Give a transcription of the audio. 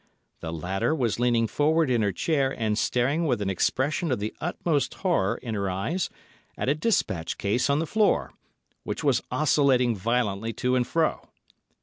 The latter was leaning forward in her chair and staring with an expression of the utmost horror in her eyes at a despatch case on the floor, which was oscillating violently to and fro.